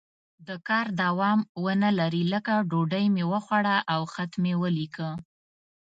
د کار دوام ونه لري لکه ډوډۍ مې وخوړه او خط مې ولیکه.